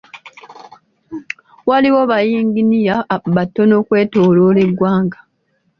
Waliwo ba yinginiya batono okwetooloola eggwanga.